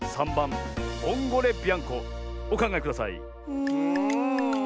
うん。